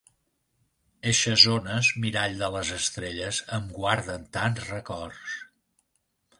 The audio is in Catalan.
Eixes ones, mirall de les estrelles, em guarden tants records!